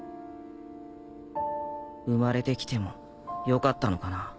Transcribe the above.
生まれてきてもよかったのかな